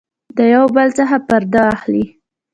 د يو بل څخه پرده اخلي